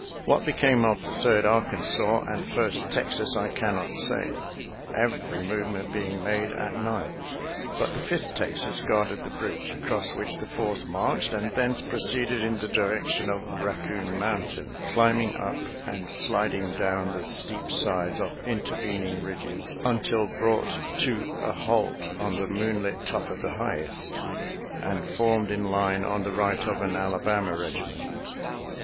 What became of the Third Arkansas and First Texas, I cannot say, every movement being made at night, but the Fifth Texas guarded the bridge, across which the Fourth marched and thence proceeded in the direction of Raccoon Mountain, climbing up and sliding down the steep sides of intervening ridges, until brought to a halt on the moonlit top of the highest, and formed in line on the right of an Alabama regiment.